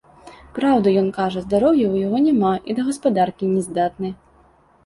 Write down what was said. Праўду ён кажа, здароўя ў яго няма, і да гаспадаркі не здатны.